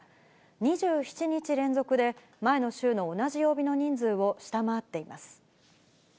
２７日連続で、前の週の同じ曜日の人数を下回っています。